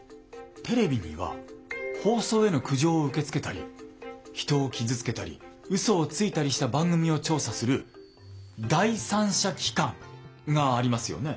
テレビには放送への苦情を受け付けたり人を傷つけたりうそをついたりした番組を調査する第三者機関がありますよね？